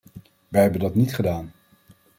Wij hebben dat niet gedaan.